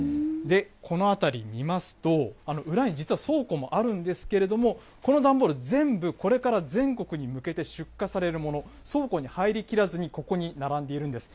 この辺り見ますと、裏に実は倉庫もあるんですけれども、この段ボール、全部これから全国に向けて出荷されるもの、倉庫に入りきらずに、ここに並んでいるんです。